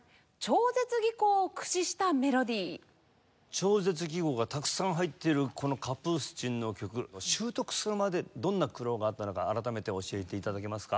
超絶技巧がたくさん入っているこのカプースチンの曲習得するまでどんな苦労があったのか改めて教えて頂けますか？